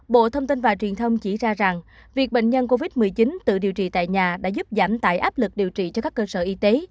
bộ thông tin và truyền thông chỉ ra rằng việc bệnh nhân covid một mươi chín tự điều trị tại nhà đã giúp giảm tải áp lực điều trị cho các cơ sở y tế